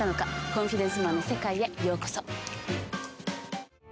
「コンフィデンスマンの世界へようこそ」